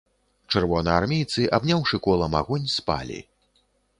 Чырвонаармейцы, абняўшы колам агонь, спалі.